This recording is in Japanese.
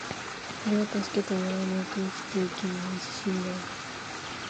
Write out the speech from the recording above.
｢おれは助けてもらわねェと生きていけねェ自信がある!!!｣